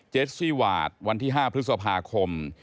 สซี่วาดวันที่๕พฤษภาคม